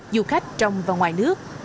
du khách trong và ngoài nước